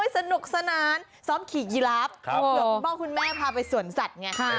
สนุกสนานสอบขี่ยีลาฟบ้านคุณแม่พาไปสวนสัตว์ไงค่ะ